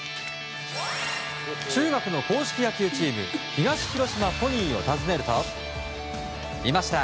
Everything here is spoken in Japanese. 中学の硬式野球チーム東広島ポニーを訪ねるといました。